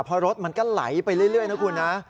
เพราะรถมันก็ไหลไปเรื่อยนะครับคุณนะ